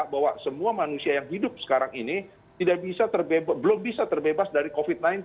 bahwa semua manusia yang hidup sekarang ini belum bisa terbebas dari covid sembilan belas